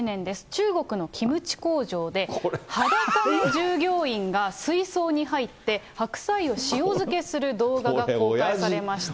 中国のキムチ工場で、裸の従業員が水槽に入って、白菜の塩漬けする動画が公開されまして。